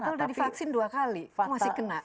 kalau sudah divaksin dua kali masih kena